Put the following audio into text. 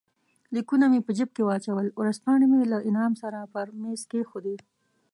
لیکونه مې په جېب کې واچول، ورځپاڼې مې له انعام سره پر مېز کښېښودې.